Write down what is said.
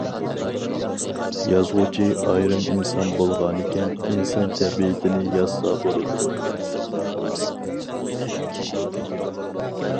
يازغۇچى ئايرىم ئىنسان بولغانىكەن، ئىنسان تەبىئىتىنى يازسا بولىدۇ.